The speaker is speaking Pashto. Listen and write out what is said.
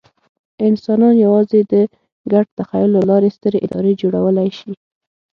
انسانان یواځې د ګډ تخیل له لارې سترې ادارې جوړولی شي.